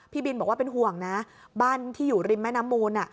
พี่บินบอกว่าเป็นห่วงนะบ้านที่อยู่ริมแม่น้ำมูล